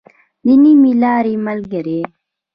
د نيمې لارې ملګری.